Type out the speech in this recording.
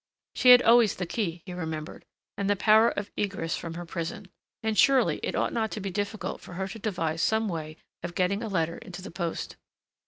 She had always the key, he remembered, and the power of egress from her prison. And surely it ought not to be difficult for her to devise some way of getting a letter into the post.